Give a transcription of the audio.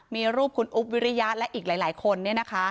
มีรูปคุณอุ๊บวิริยะและอีกหลายคน